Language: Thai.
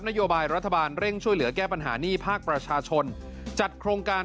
นโยบายรัฐบาลเร่งช่วยเหลือแก้ปัญหาหนี้ภาคประชาชนจัดโครงการ